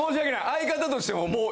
相方としてはもう。